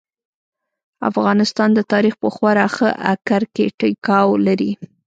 افغانستان د تاريخ په خورا ښه اکر کې ټيکاو لري.